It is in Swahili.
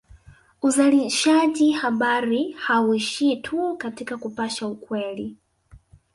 Uzalishaji habari hauishii tu katika kupasha ukweli